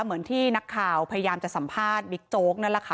เหมือนที่นักข่าวพยายามจะสัมภาษณ์บิ๊กโจ๊กนั่นแหละค่ะ